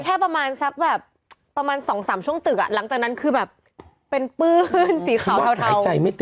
ก็คือเห็นตึกไปแค่ประมาณสักแบบ๒๓ช่วงตึกหลังจากนั้นคือแบบเป็นปื้นฟรีขาวเท่า